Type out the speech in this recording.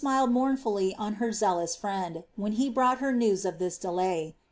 Lady Jane smiled mournfully on her zealous friend, when he brought her news of this delay.